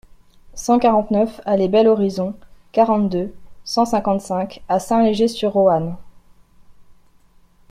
cent quarante-neuf allée Bel Horizon, quarante-deux, cent cinquante-cinq à Saint-Léger-sur-Roanne